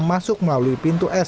masuk melalui pintu antarabangsa